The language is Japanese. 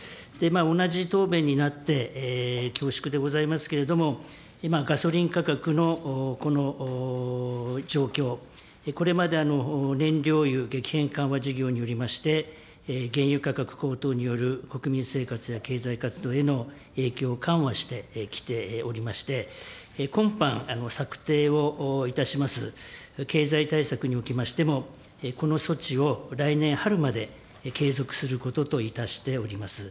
同じ答弁になって恐縮でございますけれども、今ガソリン価格のこの状況、これまで燃料油激変緩和事業によりまして、原油価格高騰による国民生活や経済活動への影響を緩和してきておりまして、今般、策定をいたします経済対策におきましても、この措置を来年春まで継続することといたしております。